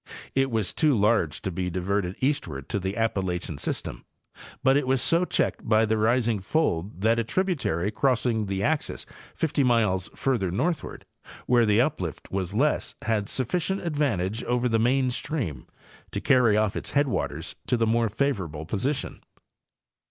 It was too large to be diverted eastward to the Appalachian system, but it was so checked by the rising fold that a tributary crossing the axis 50 miles further northward, where the uplift was less, had sufficient advantage over the main stream to carry off its headwaters to the more favorable position.